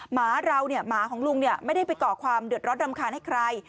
หมาเราเนี่ยหมาของลุงไม่ได้ไปก่อความเดือดร้อนรำคาญให้ใคร